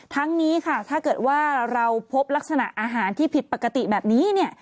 ทั้งนี้ค่ะถ้าเกิดว่าเราพบลักษณะอาหารที่ผิดปกติแบบนี้เนี่ย